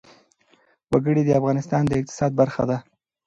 وګړي د افغانستان د اقتصاد برخه ده.